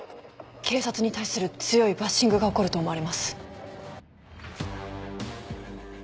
警察に対する強いバッシングが起こると思われます。